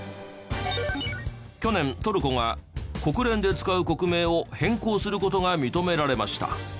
去年トルコが国連で使う国名を変更する事が認められました。